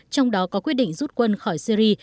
trong đó có quyết định rút quân khỏi syri